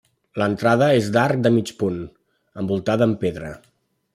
L'entrada és d'arc de mig punt, envoltada amb pedra.